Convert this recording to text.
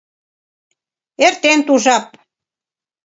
Эртен ту жап.